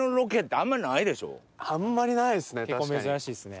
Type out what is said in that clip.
あんまりないですね